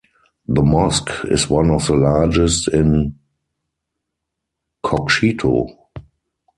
The mosque is one of the largest in Kokshetau.